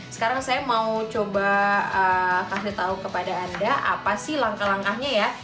sekarang saya mau coba kasih tahu kepada anda apa sih langkah langkahnya ya